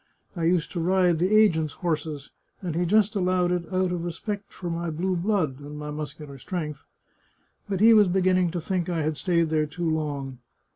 I used to ride the agent's horses, and he just allowed it out of respect for my blue blood (and my muscular strength). But he was beginning to think I had stayed there too long.